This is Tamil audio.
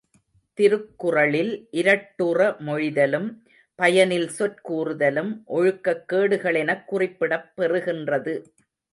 திருக்குறளில் இரட்டுற மொழிதலும், பயனில் சொற் கூறுதலும், ஒழுக்கக் கேடுகள் எனக் குறிப்பிடப் பெறுகின்றது.